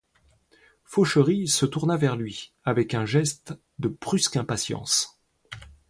Fauchery se tourna vers lui, avec un geste de brusque impatience.